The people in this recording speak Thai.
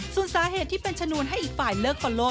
ส่วนสาเหตุที่เป็นชนวนให้อีกฝ่ายเลิกฟอลโล